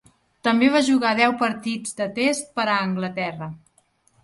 També va jugar deu partits de Test per a Anglaterra.